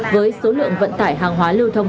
với số lượng vận tải hàng hóa lưu thông